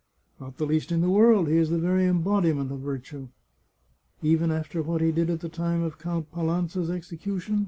" Not the least in the world ; he is the very embodiment of virtue." " Even after what he did at the time of Count Palanza's execution